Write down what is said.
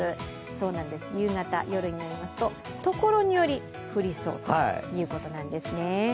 そうなんです、夕方・夜になるとところにより降りそうということなんですね。